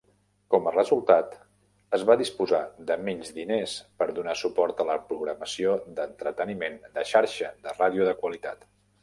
Com a resultat, es va disposar de menys diners per donar suport a la programació d'entreteniment de xarxa de ràdio de qualitat.